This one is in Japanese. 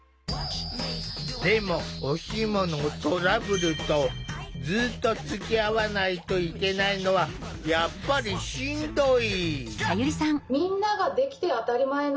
でもおシモのトラブルとずっとつきあわないといけないのはやっぱりしんどい。